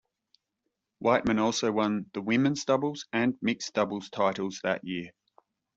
Wightman also won the women's doubles and mixed doubles titles that year.